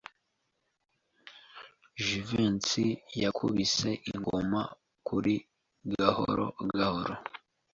Jivency yakubise ingoma kuri gahoro gahoro.